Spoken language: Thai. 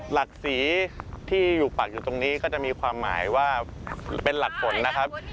หลักสีที่อยู่ปักอยู่ตรงนี้ก็จะมีความหมายว่าเป็นหลักผลนะครับ